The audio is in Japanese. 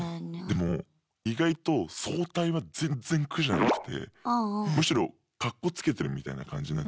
でも意外と早退は全然苦じゃなくてむしろカッコつけてるみたいな感じになって。